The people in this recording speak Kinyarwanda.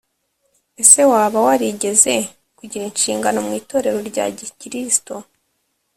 ese waba warigeze kugira inshingano mu itorero rya gikristo